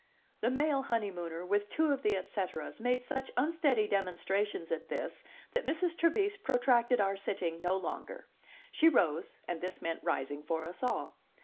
The male honeymooner, with two of the et ceteras, made such unsteady demonstrations at this that Mrs. Trevise protracted our sitting no longer. She rose, and this meant rising for us all.